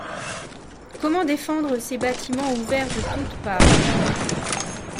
Comment défendre ces bâtiments ouverts de toutes parts?